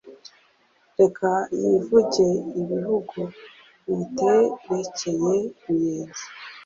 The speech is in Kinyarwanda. Reka yivuge ibihug Uyiterekeye Ruyenzi